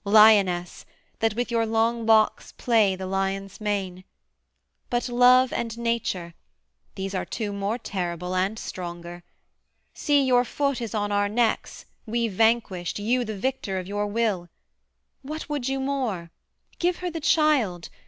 Lioness That with your long locks play the Lion's mane! But Love and Nature, these are two more terrible And stronger. See, your foot is on our necks, We vanquished, you the Victor of your will. What would you more? Give her the child!